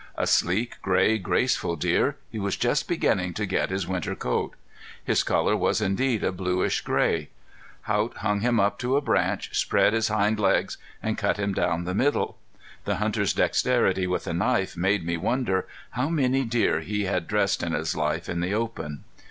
A sleek, gray, graceful deer he was just beginning to get his winter coat. His color was indeed a bluish gray. Haught hung him up to a branch, spread his hind legs, and cut him down the middle. The hunter's dexterity with a knife made me wonder how many deer he had dressed in his life in the open.